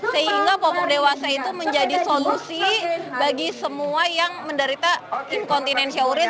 sehingga popung dewasa itu menjadi solusi bagi semua yang menderita incontinentia urin